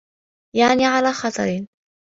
يَعْنِي عَلَى خَطَرٍ